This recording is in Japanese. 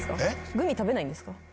グミ食べないんですか？